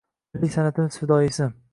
Milliy san’atimiz fidoyisi